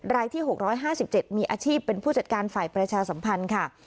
รายที่๖๕๗มีอาชีพเป็นผู้จัดการฝ่ายประชาสัมพันธ์ค่ะ